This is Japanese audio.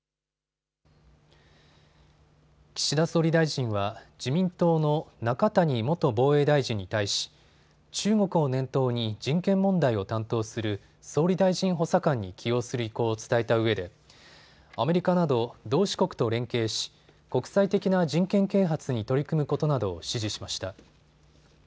岸田総理大臣は自民党の中谷元防衛大臣に対し、中国を念頭に人権問題を担当する総理大臣補佐官に起用する意向を伝えたうえでアメリカなど同志国と連携し、国際的な人権啓発に取り組むことなどを指示しました。